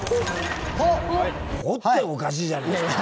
「ほ」っておかしいじゃないですか。